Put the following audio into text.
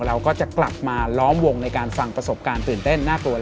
เราก็จะกลับมาล้อมวงในการฟังประสบการณ์ตื่นเต้นน่ากลัว